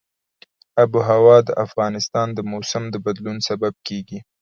آب وهوا د افغانستان د موسم د بدلون سبب کېږي.